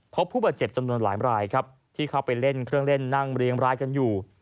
พบผู้บาดเจ็บจำนวนหลายรายครับที่เข้าไปเล่นเครื่องเล่นนั่งเรียงรายกันอยู่